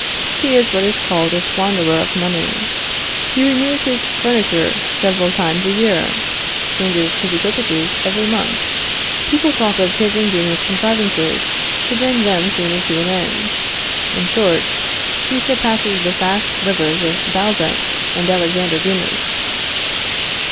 He is what is called a squanderer of money. He renews his furniture several times a year; changes his equipages every month. People talk of his ingenious contrivances to bring them sooner to an end: in short, he surpasses the fast livers of Balzac and Alexander Dumas.